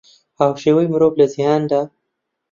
هاوشێوەی مرۆڤ لە جیهاندا